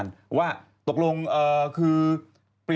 เยอะ